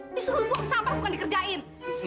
disuruh buang sampah bukan dikerjain